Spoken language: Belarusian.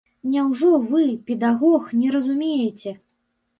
Няўжо вы, педагог, не разумееце?